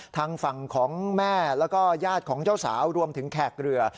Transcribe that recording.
ทางฝั่งของแม่แล้วก็ญาติของเจ้าสาวรวมถึงแขกเรือ